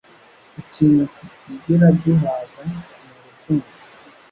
Ikintu tutigera duhaga ni urukundo;